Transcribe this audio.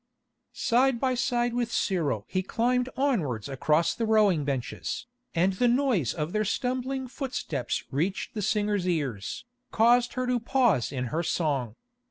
Side by side with Cyril he climbed onwards across the rowing benches, and the noise of their stumbling footsteps reaching the singer's ears, caused her to pause in her song.